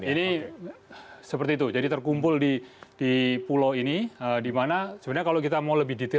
ini seperti itu jadi terkumpul di pulau ini dimana sebenarnya kalau kita mau lebih detail